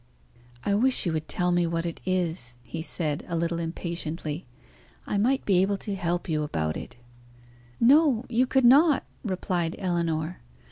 "I wish you would tell me what it is," he said, a little impatiently. "I might be able to help you about it." "No! you could not," replied Ellinor.